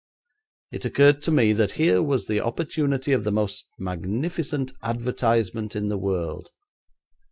It occurred to me that here was the opportunity of the most magnificent advertisement in the world.